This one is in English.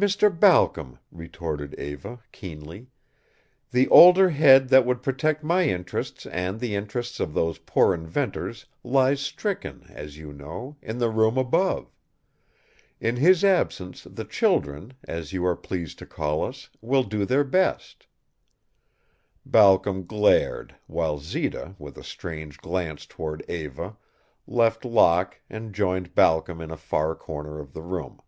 "Mr. Balcom," retorted Eva, keenly, "the older head that would protect my interests and the interests of those poor inventors lies stricken, as you know, in the room above. In his absence the children, as you are pleased to call us, will do their best." Balcom glared, while Zita with a strange glance toward Eva left Locke and joined Balcom in a far corner of the room.